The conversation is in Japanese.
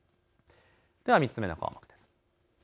では３つ目の項目です。